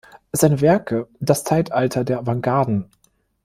Seine Werke "Das Zeitalter der Avantgarden.